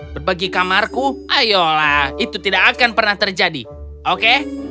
berbagi kamarku ayolah itu tidak akan pernah terjadi oke